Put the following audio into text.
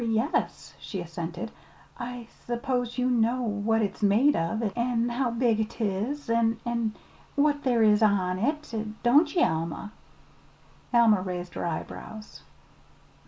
"Er yes," she assented. "I I s'pose you know what it's made of, an' how big 'tis, an' an' what there is on it, don't ye, Alma?" Alma raised her eyebrows.